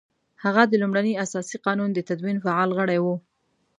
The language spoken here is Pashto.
هغه د لومړني اساسي قانون د تدوین فعال غړی وو.